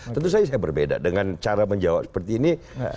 tentu saja saya berbeda dengan cara menjawab seperti ini